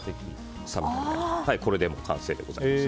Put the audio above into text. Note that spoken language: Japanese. これでもう完成でございます。